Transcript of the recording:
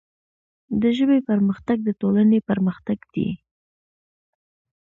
د ژبې پرمختګ د ټولنې پرمختګ دی.